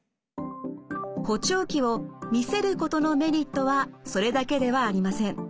補聴器を見せることのメリットはそれだけではありません。